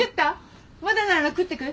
まだなら食っていく？